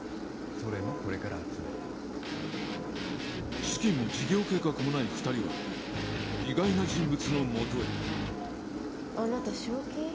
それもこれから集める資金も事業計画もない二人は意外な人物のもとへあなた正気？